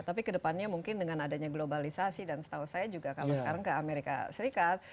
tapi kedepannya mungkin dengan adanya globalisasi dan setahu saya juga kalau sekarang ke amerika serikat